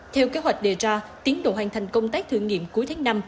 theo kế hoạch đề ra tiến độ hoàn thành công tác thử nghiệm cuối tháng năm